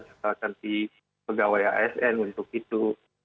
setelah nanti pegawai asn untuk itu